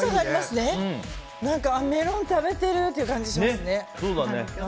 メロン食べてるっていう感じがしますね。